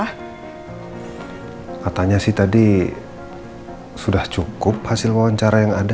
katanya sih tadi sudah cukup hasil wawancara yang ada